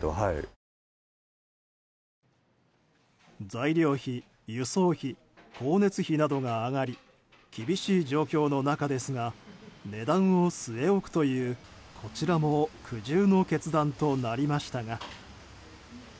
材料費、輸送費光熱費などが上がり厳しい状況の中ですが値段を据え置くというこちらも苦渋の決断となりましたが。